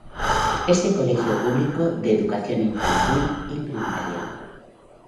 Este colegio público de educación infantil y primaria.